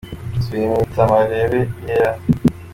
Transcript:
Nsubiye mwita Marebe yera